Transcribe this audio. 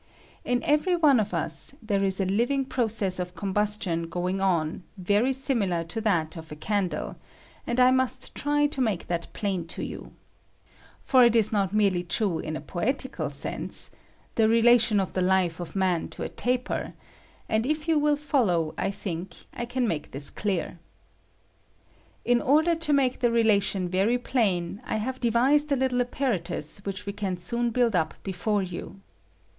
In every one of us there is a living process of combustion going on very similar to that of a candle, and I must try to make that plain to you. For it ia not merely true in a poetical sense — the re lation of the life of man to a taper; and if you will follow, I think I can make this clear. In order to make the relation very plain, I have devised a little apparatus which we can soon build up before you.